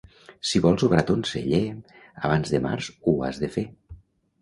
Si vols obrar ton celler, abans de març ho has de fer.